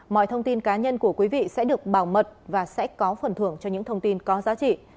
mọi thông tin cá nhân của quý vị sẽ được bảo mật và sẽ có phần thưởng cho những thông tin có giá trị